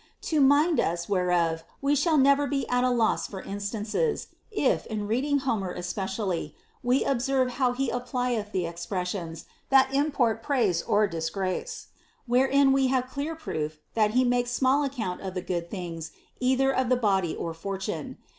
To mind us whereof we shall never be at a loss for instances, if, in reading Homer especially, we observe how he ap plieth the expressions that import praise or disgrace ; wherein we have clear proof that he makes small account of the good things either of the body or Fortune.